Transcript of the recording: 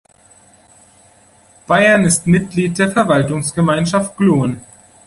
Baiern ist Mitglied der Verwaltungsgemeinschaft Glonn.